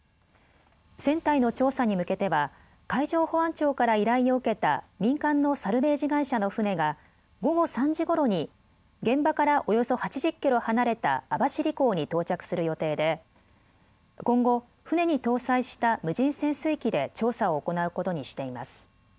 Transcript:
船体の調査に向けては海上保安庁から依頼を受けた民間のサルベージ会社の船が午後３時ごろに現場からおよそ８０キロ離れた網走港に到着する予定で今後、船に搭載した無人潜水機で調査を行うことにしています。